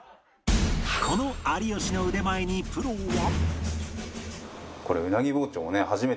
この有吉の腕前にプロは